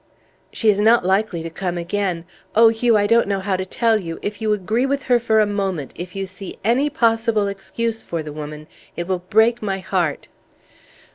"She is not likely to come again. Oh, Hugh, I don't know how to tell you! If you agree with her for a moment, if you see any possible excuse for the woman, it will break my heart!"